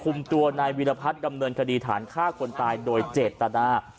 คุมตัวนายวิรพัฒน์ดำเนินคดีฐานฆ่ากลตายโดยเจ็ดตระดาษ